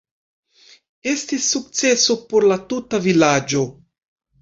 Estis sukceso por la tuta vilaĝo.